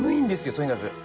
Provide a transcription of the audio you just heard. とにかく。